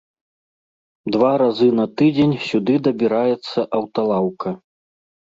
Два разы на тыдзень сюды дабіраецца аўталаўка.